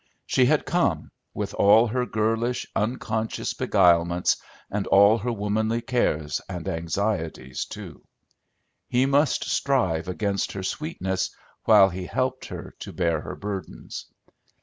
She had come, with all her girlish, unconscious beguilements, and all her womanly cares and anxieties too. He must strive against her sweetness, while he helped her to bear her burdens.